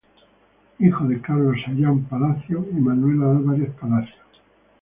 Hijo de Carlos Sayán Palacios y Manuela Álvarez Palacios.